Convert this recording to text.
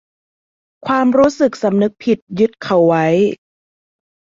ความรู้สึกสำนึกผิดยึดเขาไว้